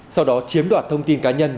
sau đó chiếm đoạt thông tin cá nhân